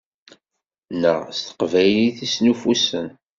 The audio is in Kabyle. Neɣ s teqbaylit i snuffusen?